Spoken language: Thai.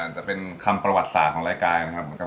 จะเป็นคำประวัติศาสตร์ของรายการนะครับ